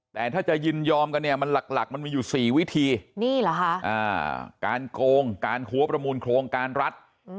แต่ถ้าจะยินยอมกันเนี่ยมันหลักมันมีอยู่๔วิธีนี่เหรอคะการโกงการหัวประมูลโครงการรัฐ